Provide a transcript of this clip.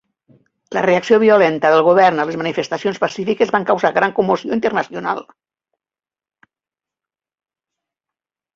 La reacció violenta del govern a les manifestacions pacífiques van causar gran commoció internacional.